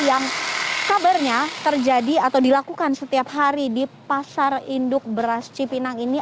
yang kabarnya terjadi atau dilakukan setiap hari di pasar induk beras cipinang ini